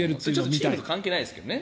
チームは関係ないですけどね。